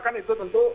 kan itu tentu